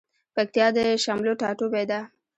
پکتيا د شملو ټاټوبی ده